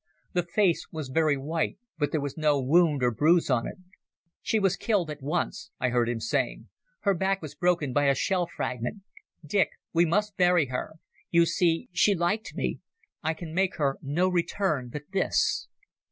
The face was very white but there was no wound or bruise on it. "She was killed at once," I heard him saying. "Her back was broken by a shell fragment. Dick, we must bury her here ... You see, she ... she liked me. I can make her no return but this."